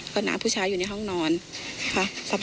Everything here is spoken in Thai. ก็น้าผู้ชายอยู่ในห้องนอนค่ะ